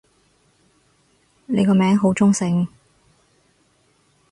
你個名好中性